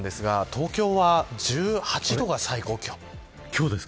東京は１８度が最高気温です。